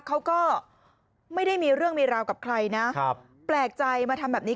เขาก็ไม่ได้มีเรื่องมีราวกับใครนะครับแปลกใจมาทำแบบนี้